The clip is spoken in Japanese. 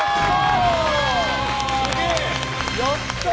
やったー！